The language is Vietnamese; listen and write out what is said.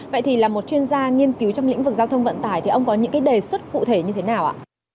vậy thì là một chuyên gia nghiên cứu trong lĩnh vực giao thông vận tải thì ông có những cái đề xuất cụ thể như thế nào ạ